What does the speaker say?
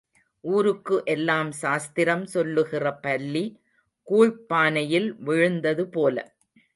ஊருக்கு எல்லாம் சாஸ்திரம் சொல்லுகிற பல்லி, கூழ்ப் பானையில் விழுந்தது போல.